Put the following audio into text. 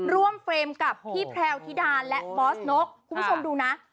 เฟรมกับพี่แพรวธิดาและบอสนกคุณผู้ชมดูนะ